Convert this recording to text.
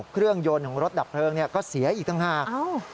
เครื่องยนต์ของรถดับเพลิงก็เสียอีกต่างหาก